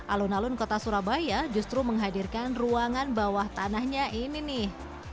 alun alun kota surabaya justru menghadirkan ruangan bawah tanahnya ini nih